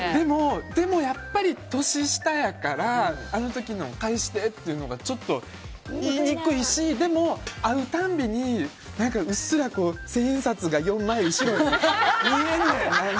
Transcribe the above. でもやっぱり年下やからあの時の返してっていうのがちょっと言いにくいしでも会う度にうっすら千円札が４枚後ろに見えんねん！